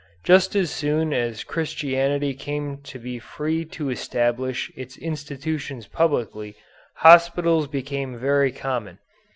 Just as soon as Christianity came to be free to establish its institutions publicly, hospitals became very common.